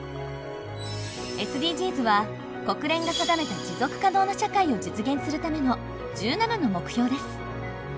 ＳＤＧｓは国連が定めた持続可能な社会を実現するための１７の目標です。